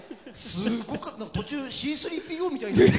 途中、Ｃ３ＰＯみたいに。